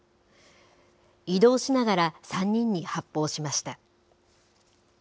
移動しながら、３人に発砲しました。